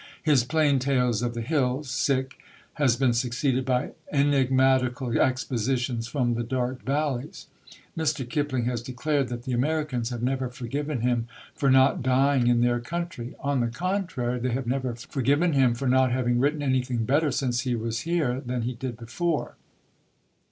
His Plain Tales of the Hills has been succeeded by Enigmatical Expositions from the Dark Valleys.... Mr. Kipling has declared that the Americans have never forgiven him for not dying in their country. On the contrary, they have never forgiven him for not having written anything better since he was here than he did before.